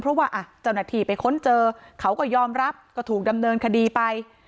เพราะว่าเจ้าหน้าที่ไปค้นเจอเขาก็ยอมรับก็ถูกดำเนินคดีไป